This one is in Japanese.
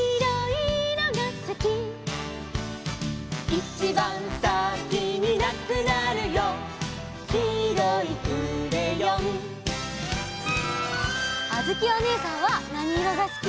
「いちばんさきになくなるよ」「きいろいクレヨン」あづきおねえさんはなにいろがすき？